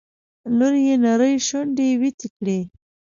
لور يې نرۍ شونډې ويتې کړې.